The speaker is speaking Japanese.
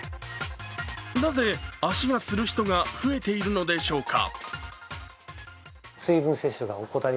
なぜ足がつる人が増えているのでしょうか？